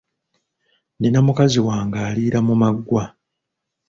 Nnina mukazi wange aliira mu maggwa.